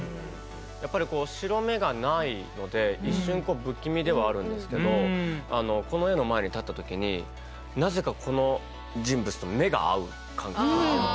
やっぱりこう白目がないので一瞬不気味ではあるんですけどこの絵の前に立った時になぜかこの人物と目が合う感覚というか。